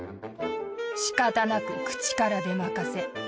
しかたなく口から出まかせ。